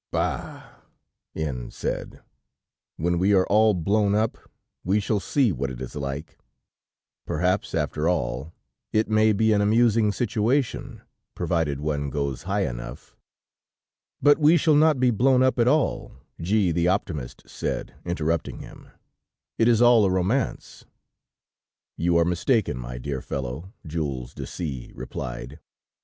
"Bah!" N said, "when we are all blown up, we shall see what it is like. Perhaps, after all, it may be an amusing sensation, provided one goes high enough." "But we shall not be blown up at all," G the optimist, said, interrupting him. "It is all a romance." "You are mistaken, my dear fellow," Jules de C replied.